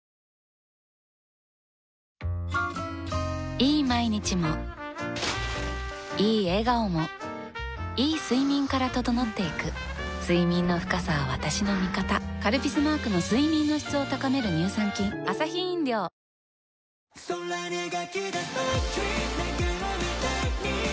いい毎日もいい笑顔もいい睡眠から整っていく睡眠の深さは私の味方「カルピス」マークの睡眠の質を高める乳酸菌いつもの洗濯が